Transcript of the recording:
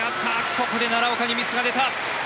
ここで奈良岡にミスが出た。